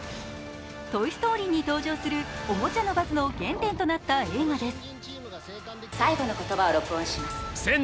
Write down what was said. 「トイ・ストーリー」に登場するおもちゃのバズの原点となった映画です。